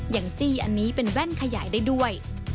อย่างจี้อันนี้เป็นแว่นขยายได้ด้วย